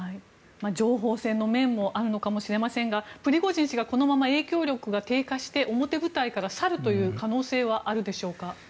情報戦の面もあるのかもしれませんがプリゴジン氏がこのまま影響力が低下して表舞台から去るという可能性はあるでしょうか。